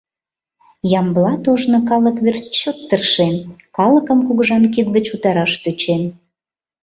Ямблат ожно калык верч чот тыршен, калыкым кугыжан кид гыч утараш тӧчен.